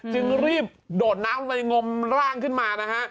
จึงรีบโดดน้ำลงไปงมร่างขึ้นมานะฮะ